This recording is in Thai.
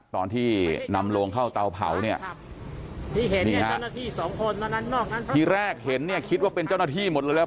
ตอนที่นำลงเข้าเตาเผาเนี้ยที่แรกเห็นเนี้ยคิดว่าเป็นเจ้าหน้าที่หมดเลยแล้ว